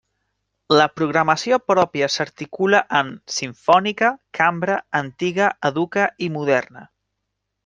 La programació pròpia s'articula en: simfònica, cambra, antiga, educa i moderna.